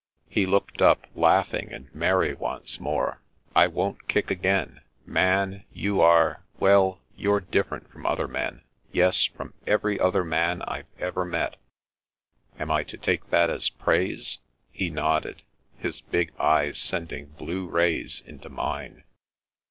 He looked up, laughing and merry once more. " I won't kick again. Man, you are — ^well, you're different from other men. Yes, from every other man I've ever met." " Am I to take that as praise ?" He nodded, his big eyes sending blue rays into mine.